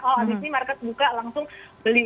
oh abis ini market buka langsung beli